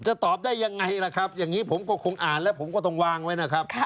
ตอบได้ยังไงล่ะครับอย่างนี้ผมก็คงอ่านแล้วผมก็ต้องวางไว้นะครับ